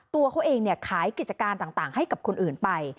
ตัวเขาเองขายกิจการต่างให้กับคนอื่นไป